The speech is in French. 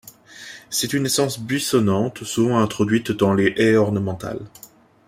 C'est une essence buissonnante, souvent introduite dans les haies ornementales.